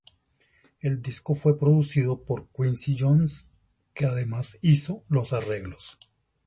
El disco fue producido por Quincy Jones, que además hizo los arreglos.